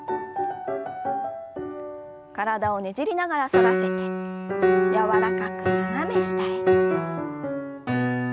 体をねじりながら反らせて柔らかく斜め下へ。